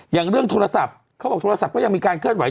อย่างเรื่องโทรศัพท์เขาบอกโทรศัพท์ก็ยังมีการเคลื่อนไ